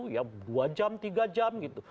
ya dua jam tiga jam gitu